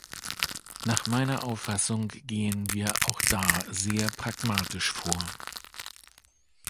Nach meiner Auffassung gehen wir auch da sehr pragmatisch vor.